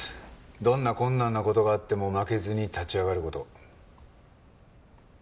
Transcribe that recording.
どんな困難な事があっても負けずに立ち上がる事。